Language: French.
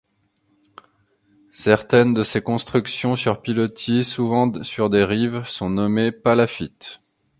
Certaines de ces constructions sur pilotis, souvent sur des rives, sont nommées palafittes.